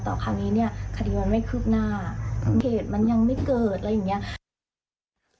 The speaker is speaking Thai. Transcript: แต่คราวนี้เนี่ยคดีมันไม่คืบหน้าเหตุมันยังไม่เกิดอะไรอย่างเงี้ย